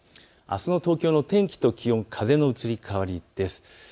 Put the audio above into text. あすの東京の天気と気温、風の移り変わりです。